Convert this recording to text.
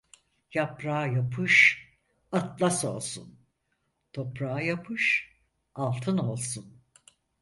Yaprağa yapış, atlas olsun; toprağa yapış, altın olsun.